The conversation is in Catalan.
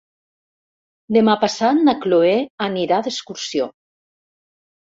Demà passat na Chloé anirà d'excursió.